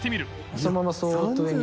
そのままそっと上に。